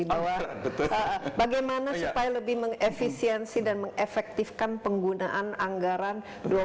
bahwa bagaimana supaya lebih mengefisiensi dan mengefektifkan penggunaan anggaran